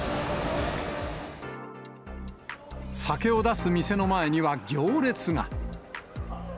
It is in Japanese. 酒を出す店の前には行列が。